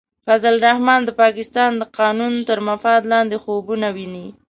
فضل الرحمن د پاکستان د قانون تر مفاد لاندې خوبونه ویني.